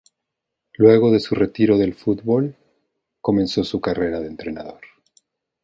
Luego de su retiro del fútbol, comenzó su carrera de entrenador.